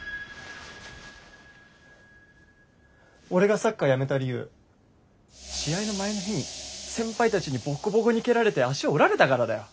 俺がサッカーやめた理由試合の前の日に先輩たちにボッコボコに蹴られて足折られたからだよ。